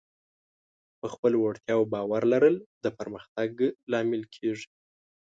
په خپلو وړتیاوو باور لرل د پرمختګ لامل کېږي.